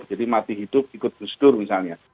jadi mati hidup ikut kesudur misalnya